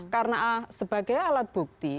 karena sebagai alat bukti